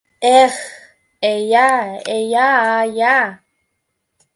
Эх, э-йа, э-йа-а-йа